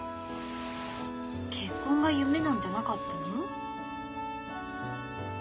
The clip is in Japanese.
結婚が夢なんじゃなかったの？